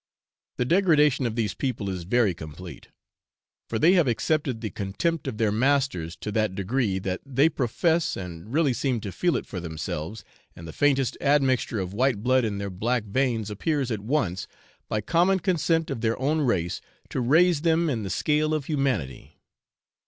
The degradation of these people is very complete, for they have accepted the contempt of their masters to that degree that they profess, and really seem to feel it for themselves, and the faintest admixture of white blood in their black veins appears at once, by common consent of their own race, to raise them in the scale of humanity.